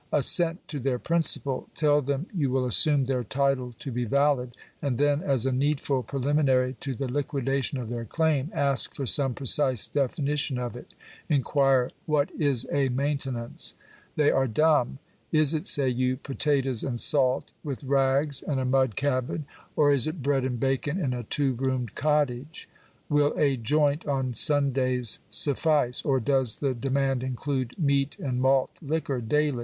Assent to their principle ; tell them you will assume their title to be valid ; and then, as a needful pre liminary to the liquidation of their claim, ask for some precise definition of it— inquire " What is a maintenance ?" They are dumb. <c Is it," say you, u potatoes and salt, with rags and a mud cabin ? or is it bread and bacon, in a two roomed cottage ? Will a joint on Sundays suffice ? or does the de mand include meat and malt liquor daily